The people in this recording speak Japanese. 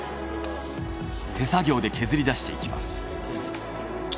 手作業で削り出していきます。